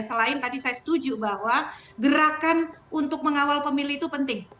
selain tadi saya setuju bahwa gerakan untuk mengawal pemilih itu penting